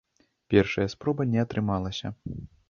Першая спроба не атрымалася.